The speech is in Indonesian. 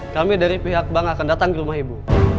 kami dari pihak bank akan datang ke rumah ibu